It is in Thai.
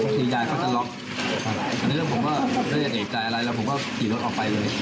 ทียายเขาจะล็อก